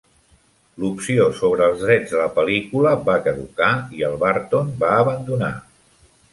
L'opció sobre els drets de la pel·lícula va caducar, i el Burton va abandonar.